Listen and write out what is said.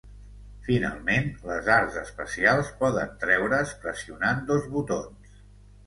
Finalment, les "arts especials" poden treure's pressionant dos botons.